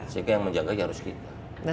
sehingga yang menjaganya harus kita